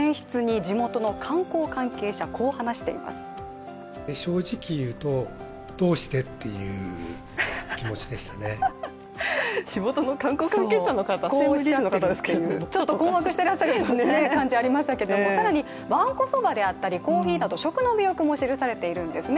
地元の観光関係者の方ちょっと困惑していらっしゃる感じありましたけれども、更にわんこそばであったりコーヒーなど食の魅力も記されているんですね